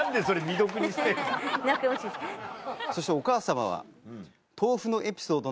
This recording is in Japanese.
そしてお母様は。